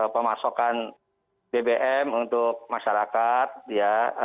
pemasokan bbm untuk masyarakat ya